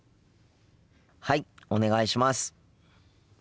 はいお願いします。